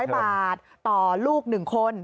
๕๐๐บาทต่อลูกหนึ่งคน